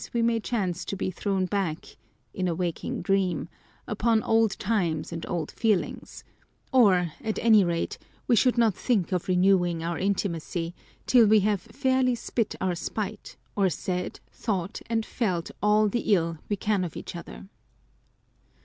183 we may chance to be thrown back (in a waking dream) upon old times and old feelings : or at any rate we should not think of renewing our intimacy, till we have fairly spit our spite, or said, thought and felt all the ill we can of each other.